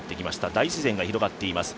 大自然が広がっています。